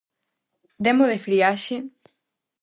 Demo de friaxe!